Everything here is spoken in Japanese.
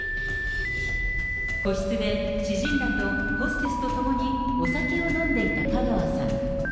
個室で知人らとホステスと共にお酒を飲んでいた香川さん。